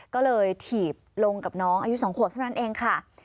ก็เลยถีบลงกับน้องอายุ๒ขวบเท่านั้นเองค่ะ